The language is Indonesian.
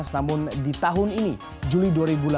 namun di tahun ini juli dua ribu delapan belas